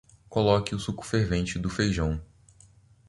Coloque o suco fervente do feijão.